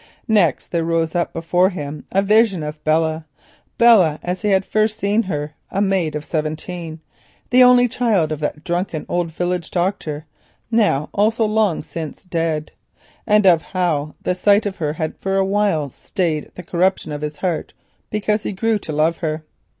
Next there rose up before him a vision of Belle, Belle as he had first seen her, a maid of seventeen, the only child of that drunken old village doctor, now also long since dead, and of how the sight of her had for a while stayed the corruption of his heart because he grew to love her.